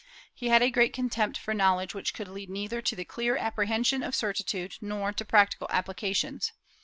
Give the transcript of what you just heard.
He had a great contempt for knowledge which could lead neither to the clear apprehension of certitude nor to practical applications.